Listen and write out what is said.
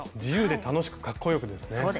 自由で楽しくかっこよくですね。